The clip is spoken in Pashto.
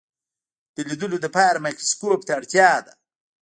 د لیدلو لپاره مایکروسکوپ ته اړتیا ده.